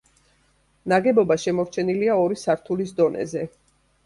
ნაგებობა შემორჩენილია ორი სართულის დონეზე.